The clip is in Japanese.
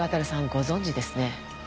ご存じですね？